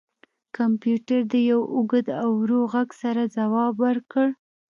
کمپیوټر د یو اوږد او ورو غږ سره ځواب ورکړ